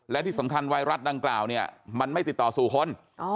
และที่สำคัญไวรัสดังกล่าวเนี่ยมันไม่ติดต่อสู่คน